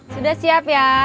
sudah siap ya